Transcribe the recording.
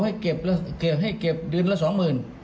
อยู่กับเขาให้เก็บเดือนละสองหมื่น